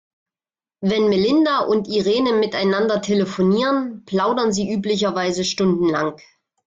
Wenn Melinda und Irene miteinander telefonieren, plaudern sie üblicherweise stundenlang.